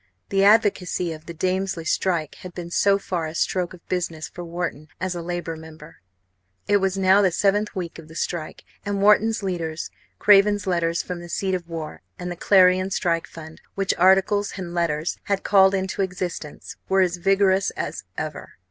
The advocacy of the Damesley strike had been so far a stroke of business for Wharton as a Labour Member. It was now the seventh week of the strike, and Wharton's "leaders," Craven's letters from the seat of war, and the Clarion strike fund, which articles and letters had called into existence, were as vigorous as ever.